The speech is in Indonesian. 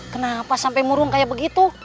kenapa sampai murung kayak begitu